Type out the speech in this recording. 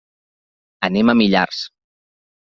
Anem a Millars.